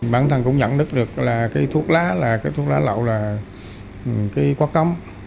bản thân cũng nhận được được là thuốc lá lậu là quá cấm